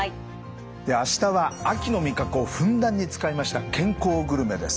明日は秋の味覚をふんだんに使いました健康グルメです。